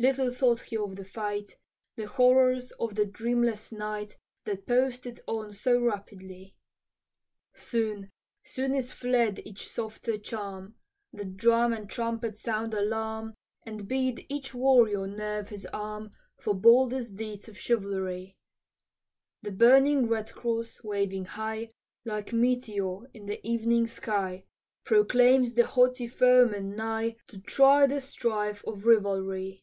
little thought he of the fight The horrors of the dreamless night, That posted on so rapidly. Soon, soon is fled each softer charm; The drum and trumpet sound alarm, And bid each warrior nerve his arm For boldest deeds of chivalry; The burning red cross, waving high, Like meteor in the evening sky, Proclaims the haughty foemen nigh To try the strife of rivalry.